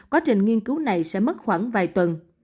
quá trình nghiên cứu này sẽ mất khoảng vài tuần